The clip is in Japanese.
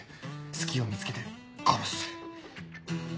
隙を見つけて殺す。